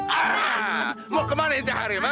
ah mau ke mana ita harimah